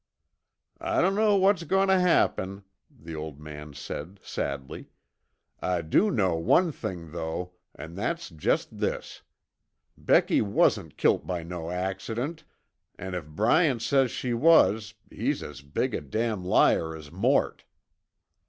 "I dunno what's goin' tuh happen," the old man said sadly. "I do know one thing though, an' that's jest this. Becky wasn't kilt by no accident, an' if Bryant says she was he's as big a damn liar as Mort."